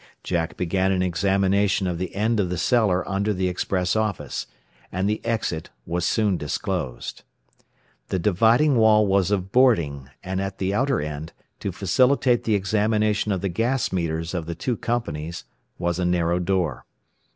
Jack began an examination of the end of the cellar under the express office. And the exit was soon disclosed. The dividing wall was of boarding, and at the outer end, to facilitate the examination of the gas metres of the two companies, was a narrow door.